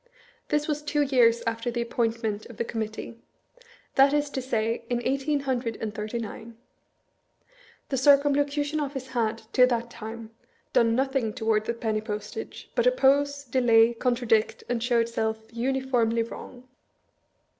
This was two years after the appoint ment of the Committee ; that is to say, in eighteen hundred and thirty nine. The Circumlocution Ofllce had, to that time, done nothiag toward the penny postage, but oppose, delay, contradict, and show itself uniformly wrong.